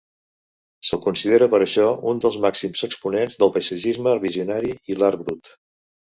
Se'l considera per això un dels màxims exponents del paisatgisme visionari i l'art brut.